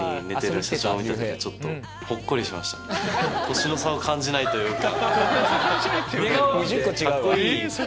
年の差を感じないというか。